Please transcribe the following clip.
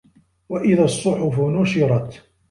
وَإِذَا الصُّحُفُ نُشِرَت